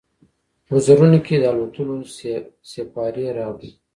وزرونو کې، د الوتلو سیپارې راوړي